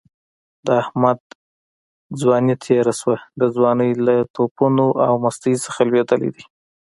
د احمد ځواني تېره شوله، د ځوانۍ له ټوپونو او مستۍ نه لوېدلی دی.